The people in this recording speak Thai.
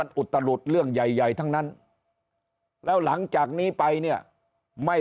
อุตลุดเรื่องใหญ่ทั้งนั้นแล้วหลังจากนี้ไปเนี่ยไม่